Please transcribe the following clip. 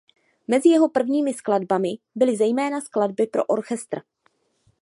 Mezi jeho prvními skladbami byly zejména skladby pro orchestr.